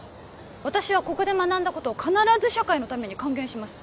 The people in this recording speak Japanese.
私はここで学んだことを必ず社会のために還元します